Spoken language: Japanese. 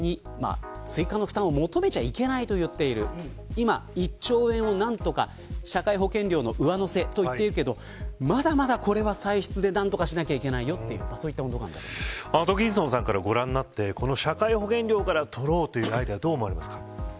今１兆円を何とか社会保険料の上乗せと言っているけどまだまだこれは歳出で何とかしなければいけないというアトキンソンさんから見て社会保険料から取るというのはどう見ますか。